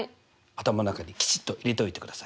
頭の中にきちっと入れておいてください。